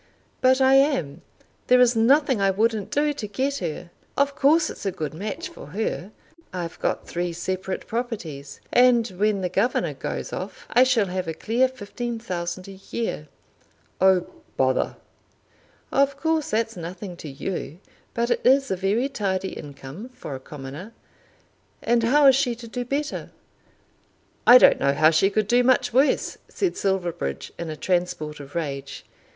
"But I am. There is nothing I wouldn't do to get her. Of course it's a good match for her. I've got three separate properties; and when the governor goes off I shall have a clear fifteen thousand a year." "Oh, bother!" "Of course that's nothing to you, but it is a very tidy income for a commoner. And how is she to do better?" "I don't know how she could do much worse," said Silverbridge in a transport of rage.